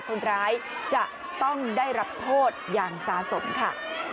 คนร้ายจะต้องได้รับโทษอย่างสะสมค่ะ